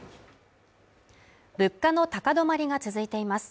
物価の高止まりが続いています。